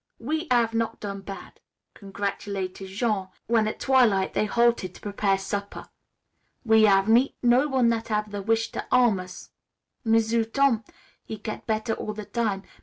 "We hav' not done bad," congratulated Jean when, at twilight, they halted to prepare supper. "We hav' meet no one that hav' the wish to 'arm us. M'sieu' Tom he get better all the time.